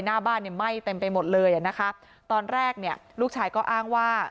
หน้าบ้านเนี่ยไหม้เต็มไปหมดเลยอ่ะนะคะตอนแรกเนี่ยลูกชายก็อ้างว่า